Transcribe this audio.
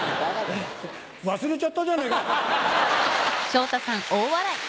忘れちゃったじゃねえか。